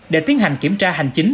để tiến hành kiểm tra hành chính